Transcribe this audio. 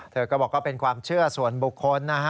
เธอก็บอกว่าเป็นความเชื่อส่วนบุคคลนะฮะ